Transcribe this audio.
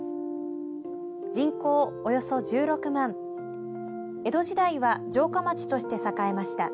人口およ１６万、江戸時代は城下町として栄えました。